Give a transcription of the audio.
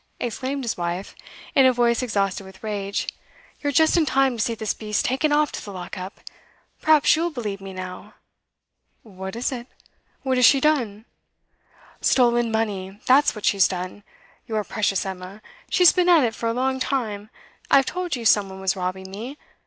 exclaimed his wife, in a voice exhausted with rage. 'You're just in time to see this beast taken off to the lock up. Perhaps you'll believe me now!' 'What is it? What has she done?' 'Stolen money, that's what she's done your precious Emma! She's been at it for a long time; I've told you some one was robbing me.